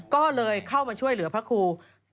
ก็เลยเข้ามาช่วยเหลือพระครู